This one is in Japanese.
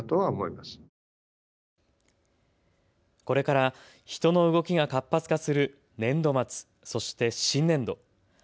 これから人の動きが活発化する年度末、そして新年度。